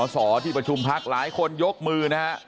สอที่ประชุมพักหลายคนยกมือนะฮะ